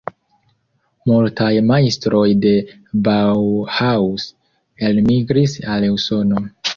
Multaj majstroj de "Bauhaus" elmigris al Usono.